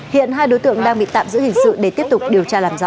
hiện hai đối tượng đang bị tạm giữ hình sự để tiếp tục điều tra làm rõ